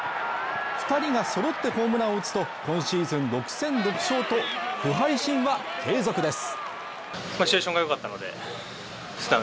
２人が揃ってホームランを打つとシーズン６戦６勝と不敗神話継続です。